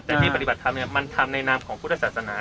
แต่ที่ปฏิบัติธรรมมันทำในนามของพุทธศาสนา